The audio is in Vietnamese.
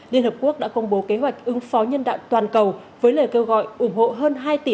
liên hợp quốc đã công bố kế hoạch ứng phó nhân đạo toàn cầu với lời kêu gọi ủng hộ hơn hai tỷ